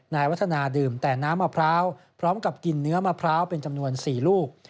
นายวัฒนาดื่มแต่น้ำมะพร้าวพร้อมกับกินเนื้อมะพร้าวเป็นจำนวน๔ลูก